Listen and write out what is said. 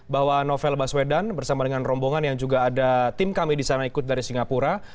bahwa novel baswedan bersama dengan rombongan yang juga ada tim kami di sana ikut dari singapura